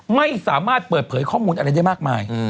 ไม่สามารถเปิดเผยข้อมูลอะไรได้มากมาย